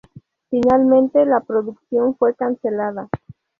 Finalmente, la producción fue cancelada.